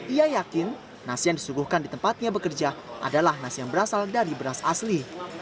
ia yakin nasi yang disuguhkan di tempatnya bekerja adalah nasi yang berasal dari beras asli